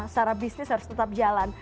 secara bisnis harus tetap jalan